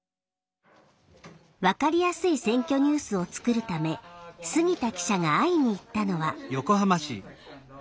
分かりやすい「選挙ニュース」を作るため杉田記者が会いに行ったのは。